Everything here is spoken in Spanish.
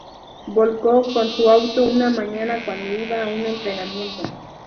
Volcó con su auto una mañana cuando iba a un entrenamiento.